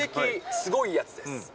すごいやつです。